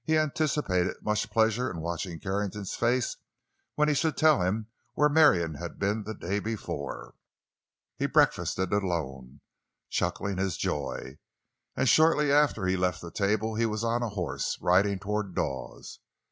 He anticipated much pleasure in watching Carrington's face when he should tell him where Marion had been the day before. He breakfasted alone—early—chuckling his joy. And shortly after he left the table he was on a horse, riding toward Dawes.